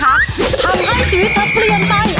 ทำให้ชีวิตเขาเปลี่ยนไป